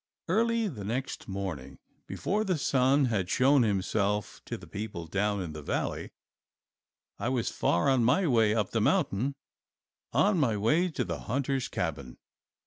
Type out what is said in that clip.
Early the next morning, before the sun had shown himself to the people down in the valley, I was far on my way up the mountain on my way to the hunter's cabin.